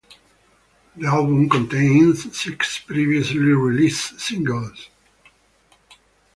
The album contains six previously released singles.